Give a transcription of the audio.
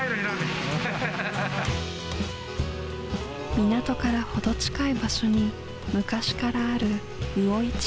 港からほど近い場所に昔からある魚市場。